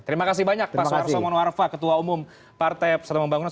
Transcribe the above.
terima kasih banyak pak suwarso monwarfa ketua umum partai setelah pembangunan